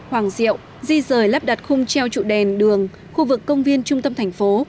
hoàng diệu di rời lắp đặt khung treo trụ đèn đường khu vực công viên trung tâm thành phố